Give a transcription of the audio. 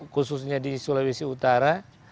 khususnya di sulawesi utara